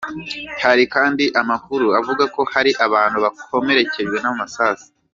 Hari kandi amakuru avuga ko hari abantu bakomerekejwe n'amasasu.